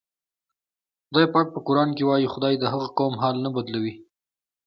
خدای پاک په قرآن کې وایي: "خدای د هغه قوم حال نه بدلوي".